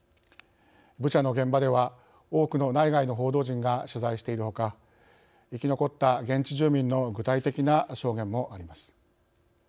ブチャの現場では多くの内外の報道陣が取材しているほか生き残った現地住民の具体的な証言もあります。